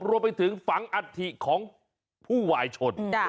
รวมไปถึงฝังอัฐิของผู้วายชน